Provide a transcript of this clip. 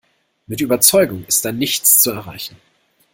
Mit Überzeugung ist da nichts zu erreichen.